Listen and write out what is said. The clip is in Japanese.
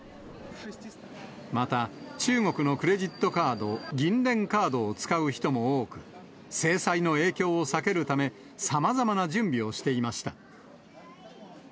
また中国のクレジットカード、銀聯カードを使う人も多く、制裁の影響を避けるため、さまざまな準備をしていました。